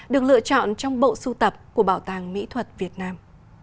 được lựa chọn trong bộ sưu tập của bảo tàng mỹ thuật việt nam